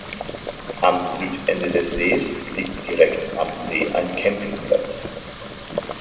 Am Südende des Sees liegt direkt am See ein Campingplatz.